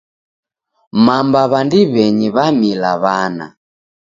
Mamba w'a ndiw'enyi w'amila w'ana.